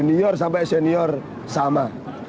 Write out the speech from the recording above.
senior sampai senior sama